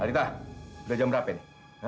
arita udah jam berapa ini